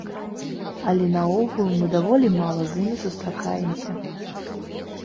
Але наогул мы даволі мала з імі сустракаемся.